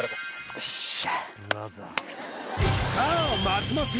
よっしゃ！